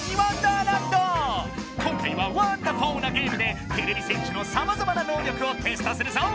今回はワンダフォなゲームでてれび戦士のさまざまな能力をテストするぞ！